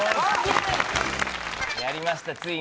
やりましたついに。